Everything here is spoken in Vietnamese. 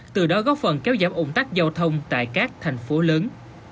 từ đó góp phần kéo giảm ủng tắc giao thông tại các thành phố lớn